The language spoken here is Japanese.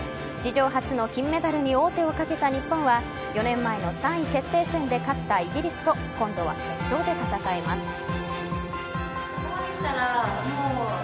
史上初の金メダルに王手をかけた日本は４年前の３位決定戦で勝ったイギリスと今度は決勝で戦います。